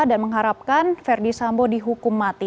dan mengharapkan ferdi sambo dihukum mati